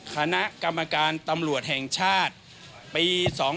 คณะกรรมการตำรวจแห่งชาติปี๒๕๖